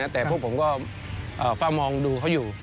แต่พวกผมก็เฝ้ามองดูเขาอยู่